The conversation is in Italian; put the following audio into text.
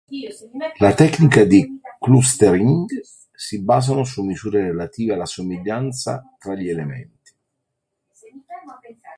Le tecniche di "clustering" si basano su misure relative alla somiglianza tra gli elementi.